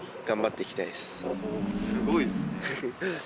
すごいですね。